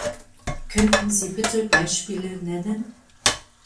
Könnten Sie bitte Beispiele nennen?